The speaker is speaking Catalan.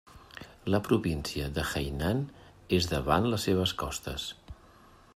La província de Hainan és davant les seves costes.